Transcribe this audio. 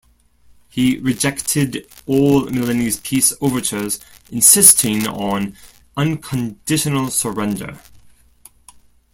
He rejected all Milanese peace overtures, insisting on unconditional surrender.